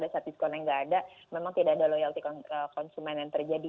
yang nggak ada memang tidak ada loyalty konsumen yang terjadi